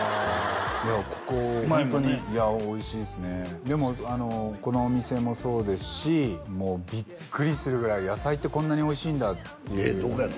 いやここホントにおいしいですねでもこのお店もそうですしもうビックリするぐらい野菜ってこんなにおいしいんだっていうえっどこやの？